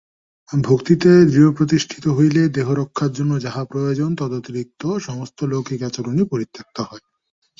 ভক্তিতে দৃঢ়প্রতিষ্ঠিত হইলে দেহরক্ষার জন্য যাহা প্রয়োজন, তদতিরিক্ত সমস্ত লৌকিক আচরণই পরিত্যক্ত হয়।